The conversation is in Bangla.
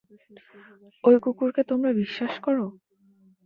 ওই কুকুরকে তোমরা বিশ্বাস করো?